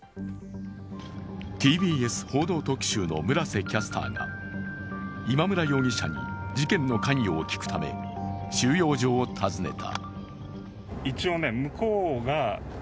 ＴＢＳ「報道特集」の村瀬キャスターが今村容疑者に事件の関与を聞くため収容所を訪ねた。